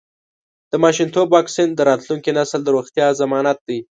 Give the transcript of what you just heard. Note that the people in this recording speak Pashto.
د ماشومتوب واکسین د راتلونکي نسل د روغتیا ضمانت دی.